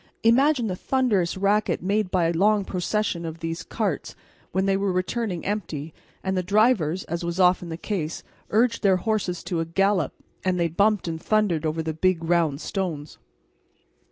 Imagine the thunderous racket made by a long procession of these carts, when they were returning empty, and the drivers, as was often the case, urged their horses to a gallop, and they bumped and thundered over the big round stones!